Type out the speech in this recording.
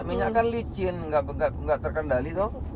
minyak kan licin gak terkendali tuh